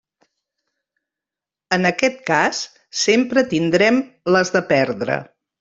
En aquest cas sempre tindrem les de perdre.